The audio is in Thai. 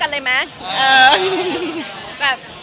ก็เลยเอาข้าวเหนียวมะม่วงมาปากเทียน